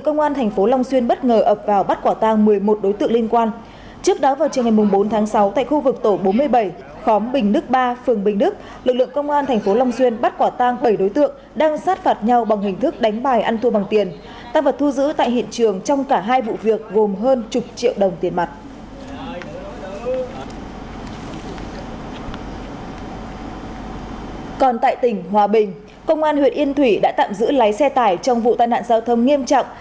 còn tại tỉnh hòa bình công an huyện yên thủy đã tạm giữ lái xe tải trong vụ tai nạn giao thông nghiêm trọng